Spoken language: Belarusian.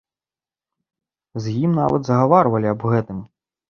З ім нават загаварвалі аб гэтым.